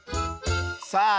さあ